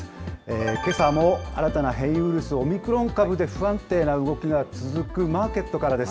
けさも新たな変異ウイルス、オミクロン株で不安定な動きが続くマーケットからです。